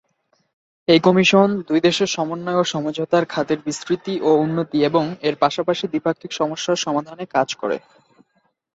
এই কমিশন, দুই দেশের সমন্বয় ও সমঝোতার খাতের বিস্তৃতি ও উন্নতি এবং এর পাশাপাশি দ্বিপাক্ষিক সমস্যার সমাধানে কাজ করে।